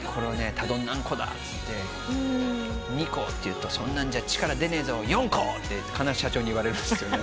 「たどん何個だ」っつって「２個！」っていうと「そんなんじゃ力出ねえぞ４個！」って必ず社長に言われるんすよね